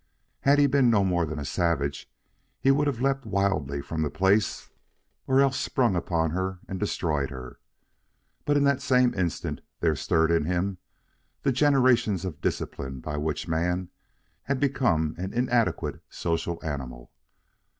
Had he been no more than a savage, he would have leapt wildly from the place or else sprung upon her and destroyed her. But in that same instant there stirred in him the generations of discipline by which man had become an inadequate social animal.